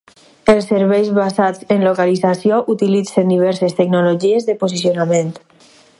Els serveis basats en localització utilitzen diverses tecnologies de posicionament.